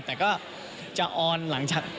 แต่ก็จะออนหลังจาก